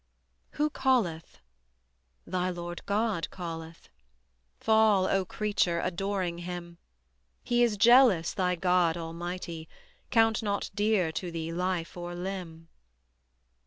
Who calleth? Thy Lord God calleth. Fall, O Creature, adoring Him: He is jealous, thy God Almighty, Count not dear to thee life or limb.